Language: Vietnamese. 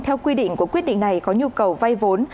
theo quy định của quyết định này có nhu cầu vay vốn